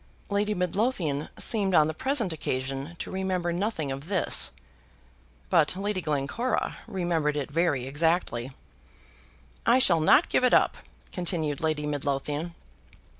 Lady Midlothian seemed on the present occasion to remember nothing of this, but Lady Glencora remembered it very exactly. "I shall not give it up," continued Lady Midlothian.